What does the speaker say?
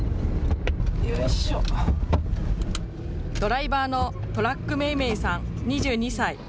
ドライバーのトラックめいめいさん２２歳。